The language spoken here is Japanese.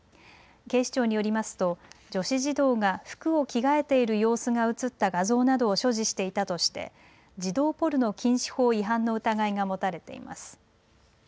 警視庁によりますと女子児童が服を着替えている様子が写った画像などを所持していたとして児童ポルノ禁止法違反の疑いが持たれています。